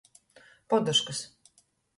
Poduškas.